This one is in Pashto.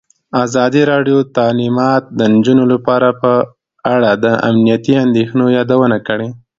ازادي راډیو د تعلیمات د نجونو لپاره په اړه د امنیتي اندېښنو یادونه کړې.